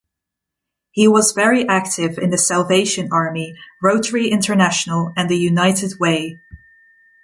He was very active in the Salvation Army, Rotary International and the United Way.